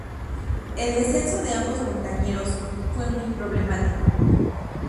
El descenso de ambos montañeros fue muy problemático.